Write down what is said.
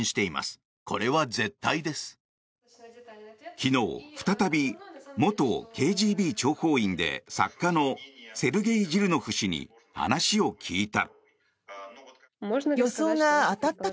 昨日、再び元ＫＧＢ諜報員で作家のセルゲイ・ジルノフ氏に話を聞いた。